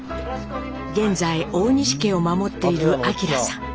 現在大西家を守っている顕さん。